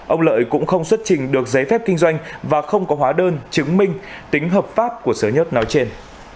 ông lợi cũng không xuất trình được giấy phép kinh doanh và không có hóa đơn chứng minh tính hợp pháp của số nhất nói trên